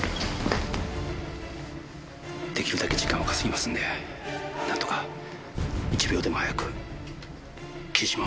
できるだけ時間を稼ぎますんで何とか一秒でも早く。